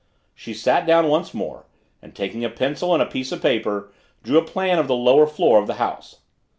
She sat down once more, and taking a pencil and a piece of paper drew a plan of the lower floor of the house.